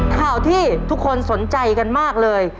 ข่าวที่ทุกคนสนใจกันมากเลย